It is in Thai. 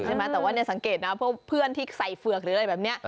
ใช่ไหมแต่ว่าเนี่ยสังเกตนะพวกเพื่อนที่ใส่เฝือกหรืออะไรแบบนี้